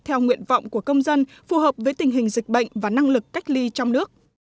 theo nguyện vọng của công dân phù hợp với tình hình dịch bệnh và năng lực cách ly trong nước